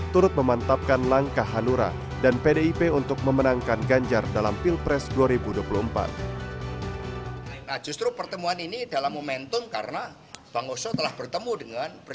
turut memantapkan langkah hati hati dan kemampuan yang diperlukan oleh pdip